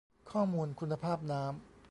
ข้อมูลคุณภาพน้ำ